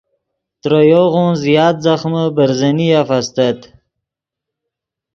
ترے یوغون زیات ځخمے برزنیف استت